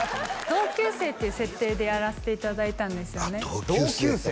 同級生っていう設定でやらせていただいたんですよね同級生？